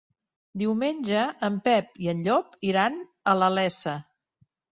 Diumenge en Pep i en Llop iran a la Iessa.